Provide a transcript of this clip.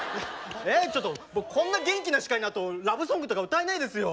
ちょっと僕こんな元気な司会のあとラブソングとか歌えないですよ。